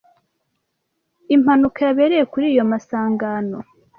Impanuka yabereye kuri iyo masangano.